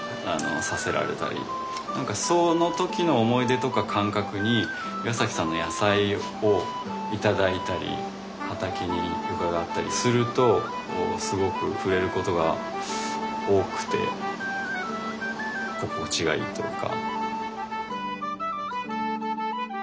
その時の思い出とか感覚に岩さんの野菜を頂いたり畑に伺ったりするとすごく触れることが多くて心地がいいというか。